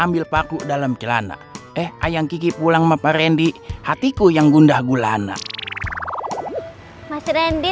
ambil paku dalam celana eh ayang kiki pulang mbak rendi hatiku yang gundah gulana mas rendy